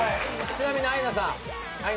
ちなみにアイナさん。